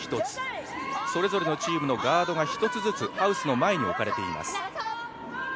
１つそれぞれのチームのガードが１つずつハウスの前に置かれています。